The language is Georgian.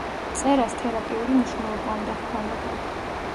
წერას თერაპიული მნიშვნელობა უნდა ჰქონოდა.